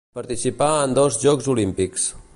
Participà en dos Jocs Olímpics.